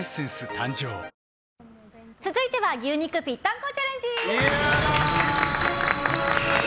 誕生続いては牛肉ぴったんこチャレンジ！